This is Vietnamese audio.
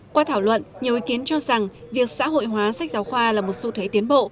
qua thảo luận nhiều ý kiến cho rằng việc xã hội hóa sách giáo khoa là một xu thế tiến bộ